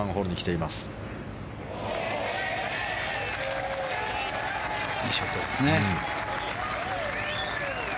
いいショットですね。